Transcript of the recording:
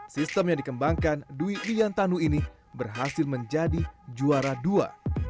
sistem yang dikembangkan duy liantanu ini berhasil menjadi juara dua